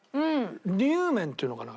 にゅう麺っていうのかな。